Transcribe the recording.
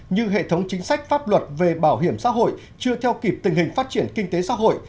như hệ thống chính sách pháp luật về bảo hiểm xã hội chưa theo kịp tình hình phát triển kinh tế xã hội